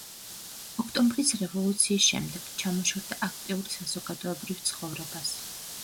ოქტომბრის რევოლუციის შემდეგ ჩამოშორდა აქტიურ საზოგადოებრივ ცხოვრებას.